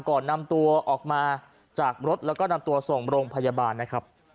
ก่อนนำตัวออกมาจากรถแล้วก็นำตัวส่งโรงพยาบาลนะครับ